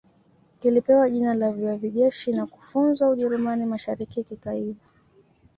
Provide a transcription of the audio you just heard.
Kilipewa jina la Viwavi Jeshi na kufunzwa Ujerumani Mashariki kikaiva